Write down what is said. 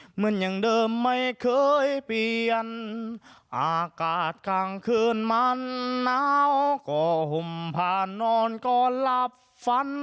เหมือนเดิมไม่เคยเปลี่ยนอากาศกลางคืนมันหนาวก็ห่มผ่านนอนก็หลับฝัน